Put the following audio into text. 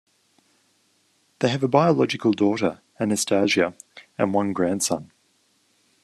They have a biological daughter Anastasia, and one grandson.